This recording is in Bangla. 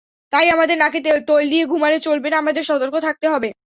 তাই আমাদের নাকে তৈল দিয়ে ঘুমালে চলবে না, আমাদের সতর্ক থাকতে হবে।